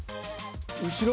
後ろ？